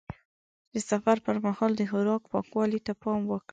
د سفر پر مهال د خوراک پاکوالي ته پام وکړه.